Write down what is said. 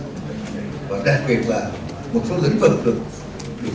heaven of the ocean đã khuyên khách hàng ta là one of the greatest